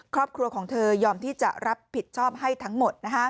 ครอบครัวของเธอยอมที่จะรับผิดชอบให้ทั้งหมด